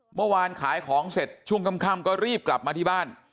เมื่อวานขายของเสร็จช่วงค่ำก็รีบกลับมาที่บ้าน